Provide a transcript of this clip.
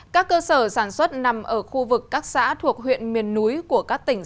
các cơ sở sản xuất nằm ở khu vực các xã thuộc huyện miền núi của các tỉnh